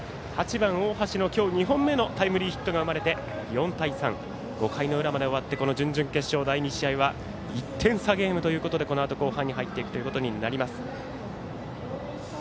８番、大橋の今日、２本目のタイムリーヒットが生まれて４対３、５回の裏まで終わって準々決勝、第２試合は１点差ゲームということでこのあと後半に入っていくことになります。